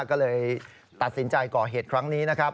ก็เลยตัดสินใจก่อเหตุครั้งนี้นะครับ